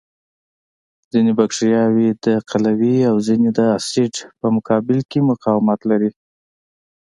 ځینې بکټریاوې د قلوي او ځینې د اسید په مقابل کې مقاومت لري.